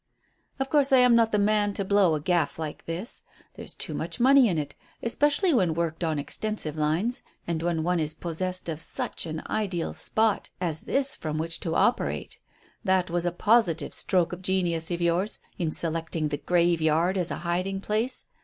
"Of course I am not the man to blow a gaff like this. There's too much money in it, especially when worked on extensive lines, and when one is possessed of such an ideal spot as this from which to operate That was a positive stroke of genius of yours in selecting the graveyard as a hiding place.